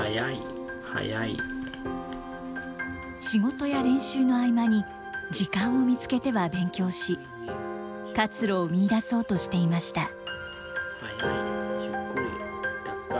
仕事や練習の合間に、時間を見つけては勉強し、活路を見いだそうとしていました。